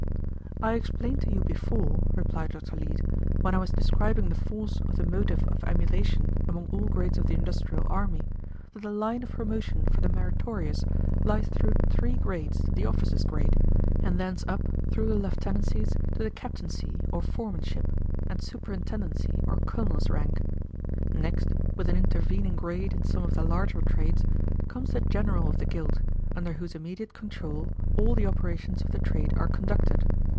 "I explained to you before," replied Dr. Leete, "when I was describing the force of the motive of emulation among all grades of the industrial army, that the line of promotion for the meritorious lies through three grades to the officer's grade, and thence up through the lieutenancies to the captaincy or foremanship, and superintendency or colonel's rank. Next, with an intervening grade in some of the larger trades, comes the general of the guild, under whose immediate control all the operations of the trade are conducted.